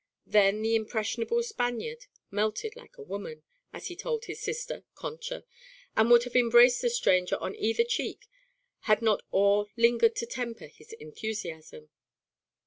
Then the impressionable Spaniard "melted like a woman," as he told his sister, Concha, and would have embraced the stranger on either cheek had not awe lingered to temper his enthusiasm.